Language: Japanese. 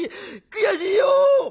悔しいよ！」。